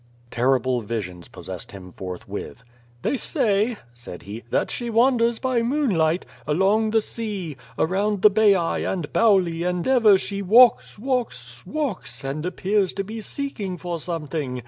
Terrible visions possessed him forthwith. "They say," said he, "that she wanders by moonlight, along the sea, around the Baiae and Bauli and ever she walks, walks, walks, and appears to be seeking for something.